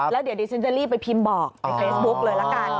แล้วเดี๋ยวดิฉันจะรีบไปพิมพ์บอกในเฟซบุ๊กเลยละกัน